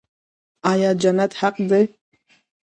آیا جنت حق دی؟